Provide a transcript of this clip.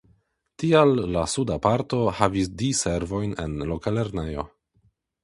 Tial la suda parto havis diservojn en la loka lernejo.